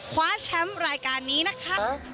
คว้าแชมป์รายการนี้นะคะ